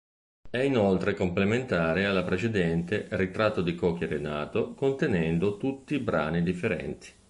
È inoltre complementare alla precedente "Ritratto di... Cochi e Renato", contenendo tutti brani differenti.